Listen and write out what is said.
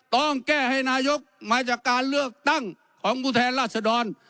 ต้องแก้ให้นายกมาจากการเลือกตั้งของผู้แทนราชดร